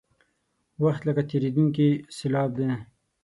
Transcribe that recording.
وخت لکه تېرېدونکې سیلاب دی.